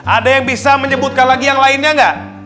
ada yang bisa menyebutkan lagi yang lainnya nggak